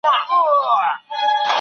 چا ويل چې د "اشيا غمی" کابل به